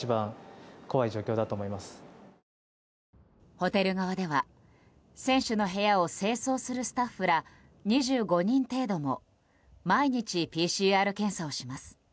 ホテル側では選手の部屋を清掃するスタッフら２５人程度も毎日ＰＣＲ検査をします。